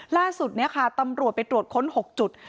ล่าสุดเนี่ยค่ะตำรวจไปตรวจค้น๖จุด